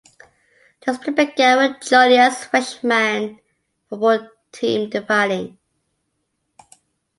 The split began with Joliet's Freshmen football team dividing.